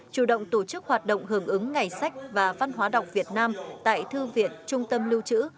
chủ động tổ chức hoạt động hưởng ứng ngày sách và văn hóa đọc việt nam tại thư viện trung tâm lưu trữ